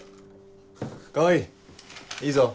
川合いいぞ。